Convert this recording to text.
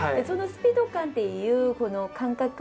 そのスピード感っていう感覚